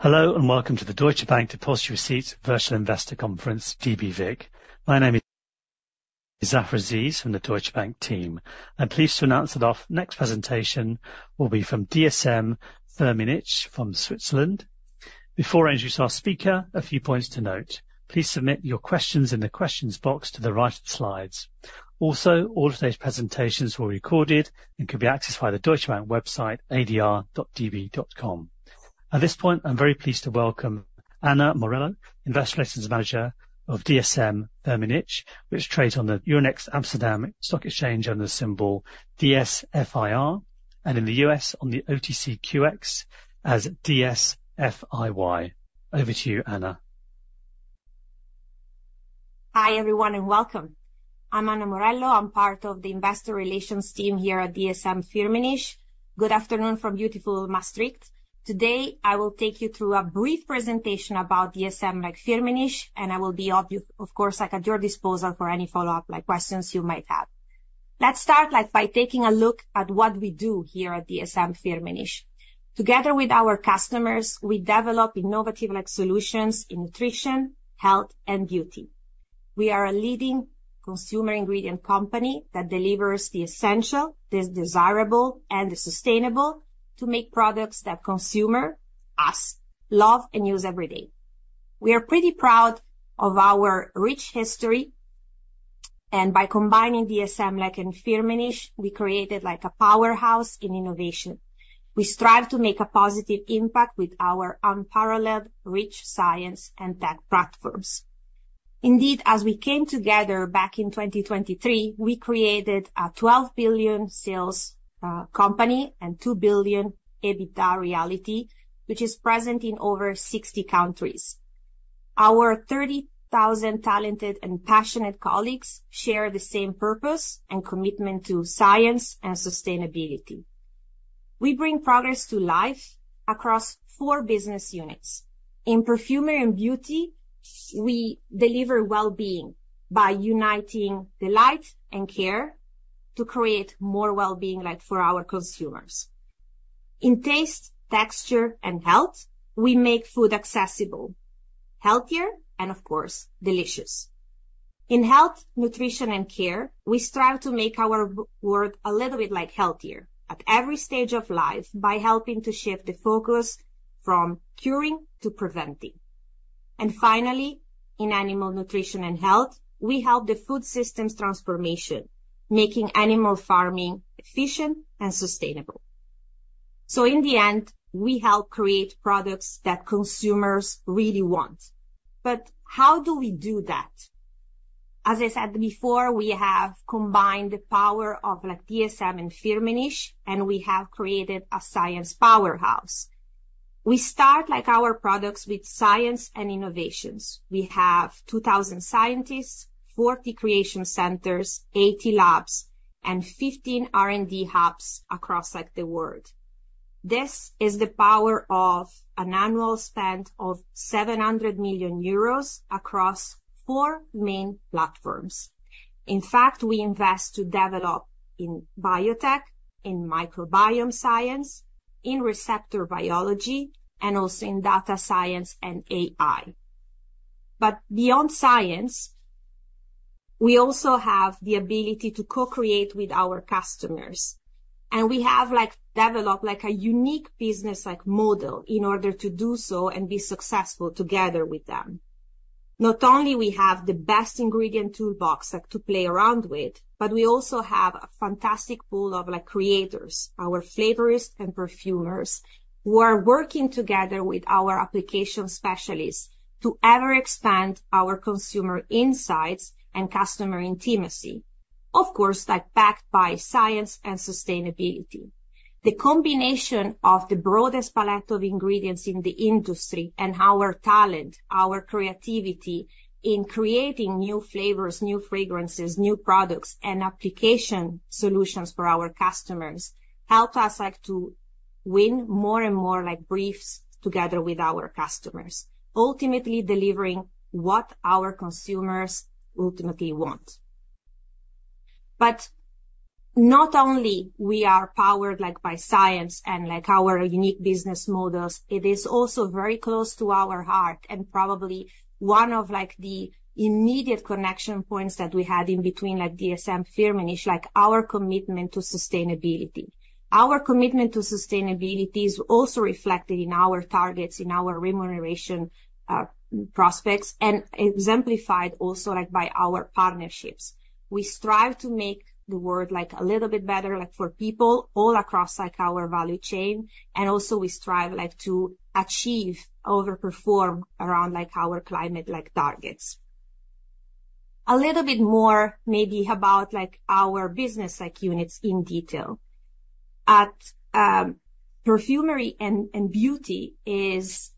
Hello, and welcome to the Deutsche Bank Depositary Receipts Virtual Investor Conference, DBVIC. My name is Zafar Aziz from the Deutsche Bank team. I'm pleased to announce that our next presentation will be from DSM-Firmenich from Switzerland. Before I introduce our speaker, a few points to note: Please submit your questions in the questions box to the right of the slides. Also, all today's presentations were recorded and can be accessed via the Deutsche Bank website, adr.db.com. At this point, I'm very pleased to welcome Anna Morello, Investor Relations Manager of DSM-Firmenich, which trades on the Euronext Amsterdam Stock Exchange under the symbol DSFIR, and in the U.S. on the OTCQX as DSFIY. Over to you, Anna. Hi, everyone, and welcome. I'm Anna Morello. I'm part of the Investor Relations team here at DSM-Firmenich. Good afternoon from beautiful Maastricht. Today, I will take you through a brief presentation about DSM-Firmenich, and I will be of course, like, at your disposal for any follow-up, like, questions you might have. Let's start, like, by taking a look at what we do here at DSM-Firmenich. Together with our customers, we develop innovative solutions in nutrition, health, and beauty. We are a leading consumer ingredient company that delivers the essential, the desirable, and the sustainable to make products that consumers love and use every day. We are pretty proud of our rich history, and by combining DSM, like, and Firmenich, we created like a powerhouse in innovation. We strive to make a positive impact with our unparalleled rich science and tech platforms. Indeed, as we came together back in 2023, we created a 2 billion sales company and 2 billion EBITDA reality, which is present in over 60 countries. Our 30,000 talented and passionate colleagues share the same purpose and commitment to science and sustainability. We bring progress to life across four business units. In Perfumery and Beauty, we deliver well-being by uniting delight and care to create more well-being, like, for our consumers. In Taste, Texture, and Health, we make food accessible, healthier, and of course, delicious. In Health, Nutrition, and Care, we strive to make our world a little bit, like, healthier at every stage of life by helping to shift the focus from curing to preventing. Finally, in Animal Nutrition and Health, we help the food systems transformation, making animal farming efficient and sustainable. So in the end, we help create products that consumers really want. But how do we do that? As I said before, we have combined the power of, like, DSM and Firmenich, and we have created a science powerhouse. We start, like our products, with science and innovations. We have 2,000 scientists, 40 creation centers, 80 labs, and 15 R&D hubs across, like, the world. This is the power of an annual spend of 700 million euros across four main platforms. In fact, we invest to develop in biotech, in microbiome science, in receptor biology, and also in data science and AI. But beyond science, we also have the ability to co-create with our customers, and we have, like, developed like a unique business like model in order to do so and be successful together with them. Not only we have the best ingredient toolbox, like, to play around with, but we also have a fantastic pool of, like, creators, our flavorists and perfumers, who are working together with our application specialists to ever expand our consumer insights and customer intimacy. Of course, like, backed by science and sustainability. The combination of the broadest palette of ingredients in the industry and our talent, our creativity in creating new flavors, new fragrances, new products, and application solutions for our customers, help us like to win more and more like briefs together with our customers, ultimately delivering what our consumers ultimately want. But not only we are powered, like, by science and like our unique business models, it is also very close to our heart and probably one of like the immediate connection points that we had in between, like DSM-Firmenich, like our commitment to sustainability. Our commitment to sustainability is also reflected in our targets, in our remuneration, prospects, and exemplified also, like, by our partnerships. We strive to make the world, like, a little bit better, like, for people all across, like, our value chain, and also we strive, like, to achieve, overperform around, like, our climate-like targets. A little bit more maybe about, like, our business units in detail. Perfumery and beauty is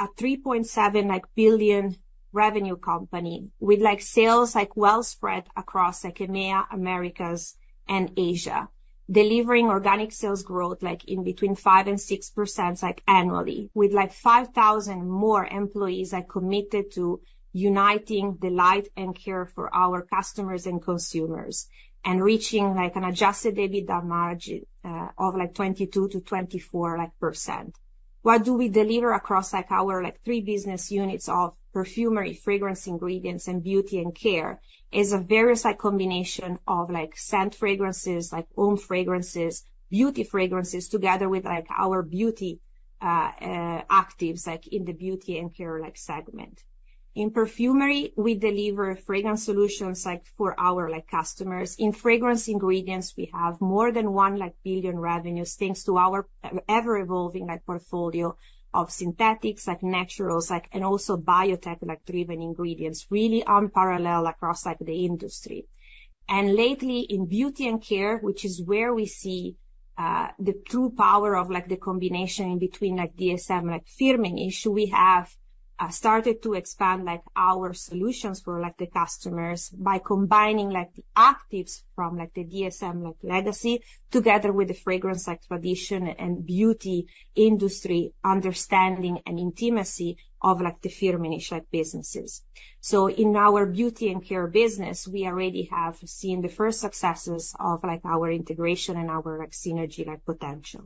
a 3.7 billion revenue company with like sales, like, well spread across, like, EMEA, Americas, and Asia, delivering organic sales growth, like, in between 5%-6%, like, annually, with, like, 5,000 more employees, like, committed to uniting delight and care for our customers and consumers and reaching, like, an adjusted EBITDA margin of like 22%-24%. What do we deliver across, like, our, like, three business units of perfumery, fragrance ingredients, and beauty and care, is a various combination of, like, scent fragrances, like home fragrances, beauty fragrances, together with, like, our beauty actives, like in the beauty and care, like, segment. In perfumery, we deliver fragrance solutions, like, for our, like, customers. In fragrance ingredients, we have more than one, like, billion revenues, thanks to our ever-evolving, like, portfolio of synthetics, like naturals, like, and also biotech, like, driven ingredients, really unparalleled across, like, the industry. Lately, in beauty and care, which is where we see, like, the true power of, like, the combination between, like, DSM, like Firmenich, we have started to expand, like, our solutions for, like, the customers by combining, like, the actives from, like, the DSM, like legacy, together with the fragrance, like tradition and beauty industry understanding and intimacy of, like, the Firmenich, like, businesses. In our beauty and care business, we already have seen the first successes of, like, our integration and our, like, synergy, like, potential.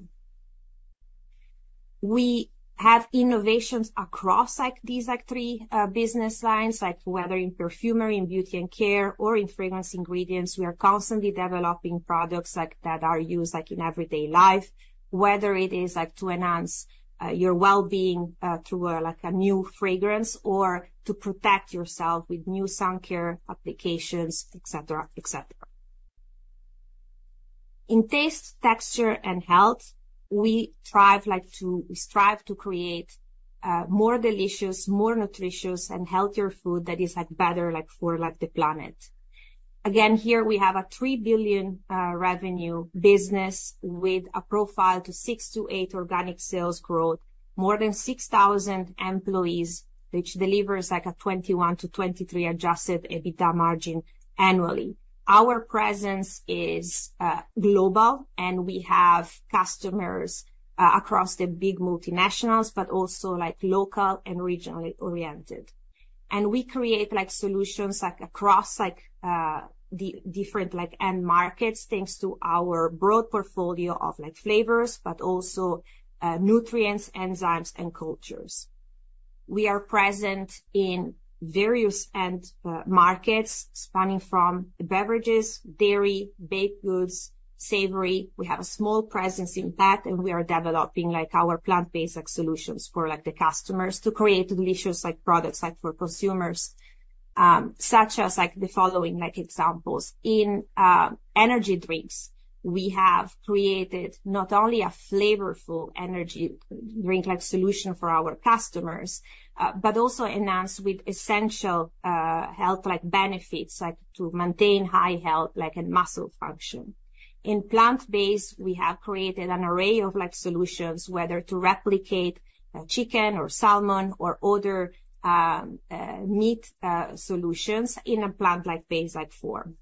We have innovations across, like, these, like, three, business lines, like whether in perfumery, in beauty and care, or in fragrance ingredients. We are constantly developing products like that are used like in everyday life, whether it is like to enhance your well-being through a like a new fragrance or to protect yourself with new sun care applications, et cetera, et cetera. In taste, texture, and health, we strive to create more delicious, more nutritious, and healthier food that is like better like for like the planet. Again, here we have a 3 billion revenue business with a profile to 6%-8% organic sales growth, more than 6,000 employees, which delivers like a 21%-23% Adjusted EBITDA margin annually. Our presence is global, and we have customers across the big multinationals, but also like local and regionally oriented. And we create, like, solutions, like, across, like, the different, like, end markets, thanks to our broad portfolio of, like, flavors, but also, nutrients, enzymes, and cultures. We are present in various end markets, spanning from beverages, dairy, baked goods, savory. We have a small presence in pet, and we are developing, like, our plant-based solutions for, like, the customers to create delicious, like, products, like, for consumers, such as, like, the following, like, examples. In energy drinks, we have created not only a flavorful energy drink-like solution for our customers, but also enhanced with essential, health-like benefits, like to maintain high health, like in muscle function. In plant-based, we have created an array of, like, solutions, whether to replicate, chicken or salmon or other, meat, solutions in a plant-like base, like form.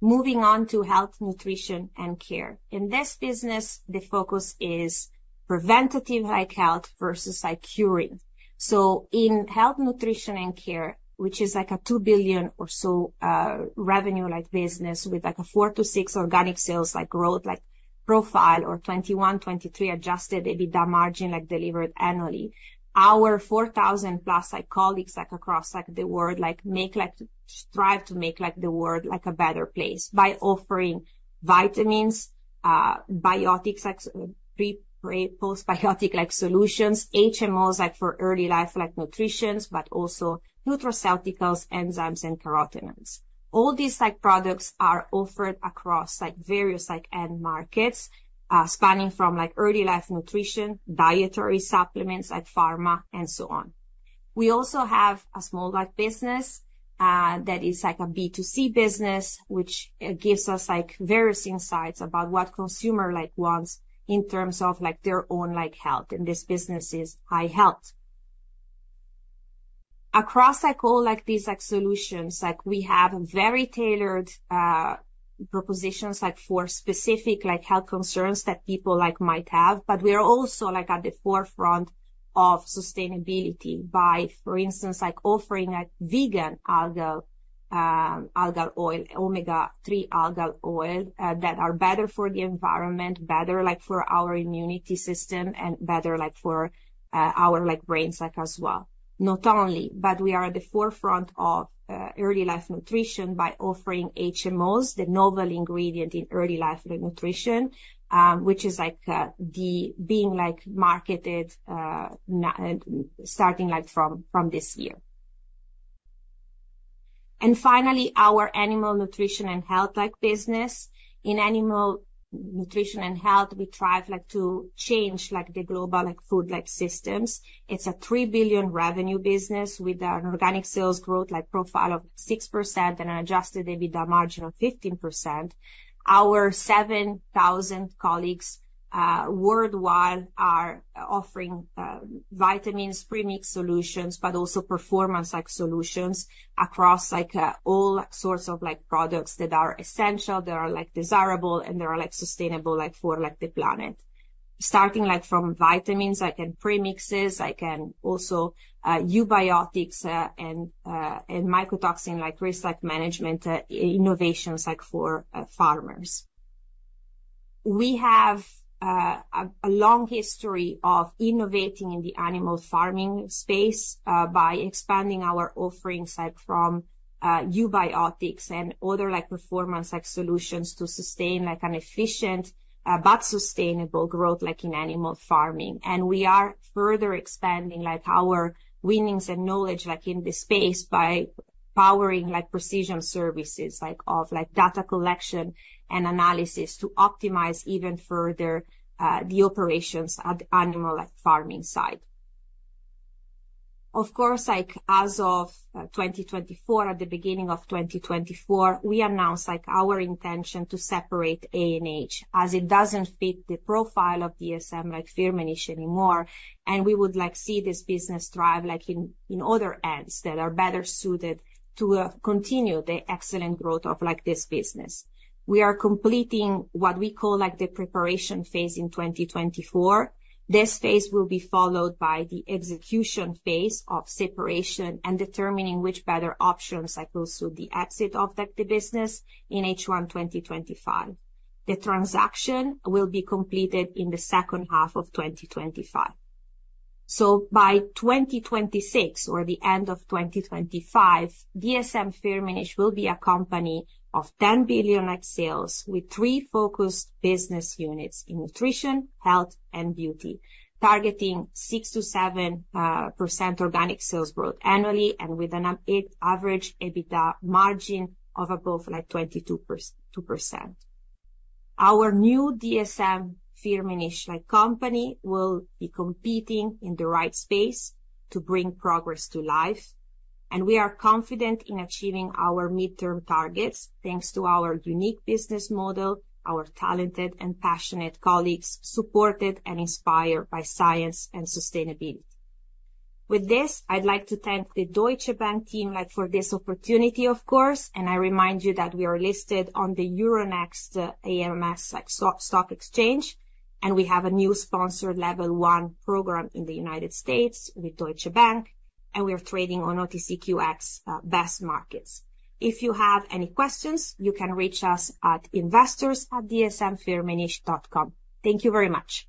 Moving on to health, nutrition, and care. In this business, the focus is preventative, like health, versus like curing. So in health, nutrition, and care, which is like a 2 billion or so revenue-like business with like a 4-6 organic sales, like growth, like profile, or 21-23 adjusted EBITDA margin, like delivered annually. Our 4,000+, like, colleagues, like, across, like, the world, like, strive to make, like, the world, like, a better place by offering vitamins, biotics, like pre, post biotic-like solutions, HMOs, like for early life, like nutrition, but also nutraceuticals, enzymes, and carotenoids. All these, like, products are offered across, like, various, like, end markets, spanning from, like, early life nutrition, dietary supplements, like pharma, and so on. We also have a small, like, business, that is like a B2C business, which, gives us, like, various insights about what consumer like, wants in terms of, like, their own, like, health, and this business is iHealth. Across, like, all, like, these, like, solutions, like, we have very tailored, propositions, like, for specific, like, health concerns that people, like, might have, but we are also, like, at the forefront of sustainability by, for instance, like, offering a vegan algal oil, omega-3 algal oil, that are better for the environment, better, like, for our immunity system and better, like, for, our, like, brains, like, as well. Not only, but we are at the forefront of early life nutrition by offering HMOs, the novel ingredient in early life nutrition, which is like, the being, like, marketed, n... Starting, like, from this year. And finally, our animal nutrition and health, like, business. In animal nutrition and health, we thrive, like, to change, like, the global, like, food, like, systems. It's a 3 billion revenue business with an organic sales growth, like, profile of 6% and an Adjusted EBITDA margin of 15%. Our 7,000 colleagues worldwide are offering vitamins, premix solutions, but also performance, like, solutions across, like, all sorts of, like, products that are essential, that are, like, desirable, and that are, like, sustainable, like, for, like, the planet. Starting, like, from vitamins, like, and premixes, like, and also eubiotics and mycotoxin, like, risk, like, management innovations, like, for farmers. We have a long history of innovating in the animal farming space by expanding our offerings, like, from eubiotics and other, like, performance-like solutions to sustain, like, an efficient but sustainable growth, like in animal farming. We are further expanding, like, our winnings and knowledge, like, in this space by powering, like, precision services, like, of, like, data collection and analysis to optimize even further the operations at animal, like, farming side. Of course, like, as of 2024, at the beginning of 2024, we announced, like, our intention to separate ANH, as it doesn't fit the profile of DSM, like, Firmenich anymore, and we would like to see this business thrive, like in other hands that are better suited to continue the excellent growth of like this business. We are completing what we call, like, the preparation phase in 2024. This phase will be followed by the execution phase of separation and determining which better options, like, will suit the exit of the business in H1 2025. The transaction will be completed in the second half of 2025. By 2026 or the end of 2025, DSM-Firmenich will be a company of 10 billion in sales, with three focused business units in nutrition, health, and beauty. Targeting 6%-7% organic sales growth annually and with an average EBITDA margin of above, like, 22%. Our new DSM-Firmenich, like, company will be competing in the right space to bring progress to life, and we are confident in achieving our midterm targets, thanks to our unique business model, our talented and passionate colleagues, supported and inspired by science and sustainability. With this, I'd like to thank the Deutsche Bank team, like, for this opportunity, of course, and I remind you that we are listed on the Euronext AMS, like, Stock Exchange, and we have a new sponsored Level One program in the United States with Deutsche Bank, and we are trading on OTCQX, best markets. If you have any questions, you can reach us at investors@dsmfirmenich.com. Thank you very much!